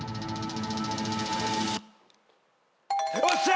よっしゃ！